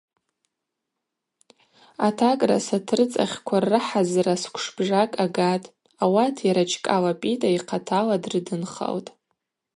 Атакӏра сатырцӏахьква ррыхӏазырра сквшбжакӏ агатӏ, ауат йара Чкӏала Пӏитӏа йхъатала дрыдынхалтӏ.